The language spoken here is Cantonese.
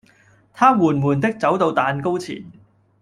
他緩緩的走到蛋糕前